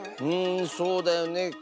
うんそうだよね。